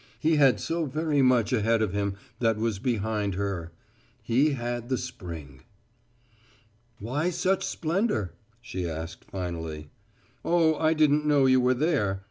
He had so very much ahead of him that was behind her. He had the spring. "Why such splendor?" she asked finally. "Oh, I didn't know you were there.